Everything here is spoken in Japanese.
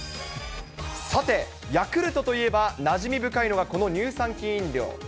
さて、ヤクルトといえば、なじみ深いのがこの乳酸菌飲料。